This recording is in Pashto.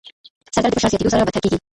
سردرد د فشار زیاتېدو سره بدتر کېږي.